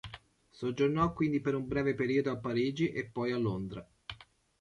Soggiornò quindi per un breve periodo a Parigi e poi a Londra.